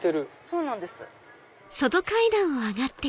そうなんです。